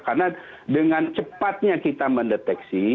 karena dengan cepatnya kita mendeteksi